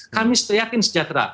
kami yakin sejahtera